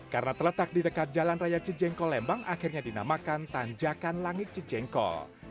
karena terletak di dekat jalan raya cijengkol lembang akhirnya dinamakan tanjakan langit cijengkol